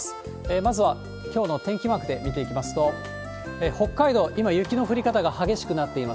まずはきょうの天気マークで見ていきますと、北海道、今雪の降り方が激しくなっています。